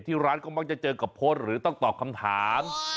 ที่ร้านก็มักจะเจอกับโพสต์หรือต้องตอบคำถาม